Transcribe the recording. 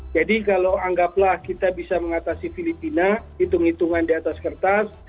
jadi kalau anggaplah kita bisa mengatasi filipina hitung hitungan di atas kertas